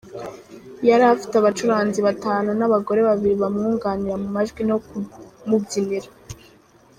Yari afite abacuranzi batanu n’abagore babiri bamwunganira mu majwi no kumubyinira.